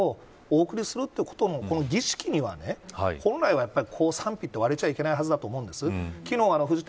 でも亡くなられた方をお送りするということもこの儀式には、本来は賛否って割れてはいけないはずだと思うんです。